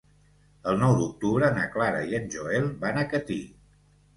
El nou d'octubre na Clara i en Joel van a Catí.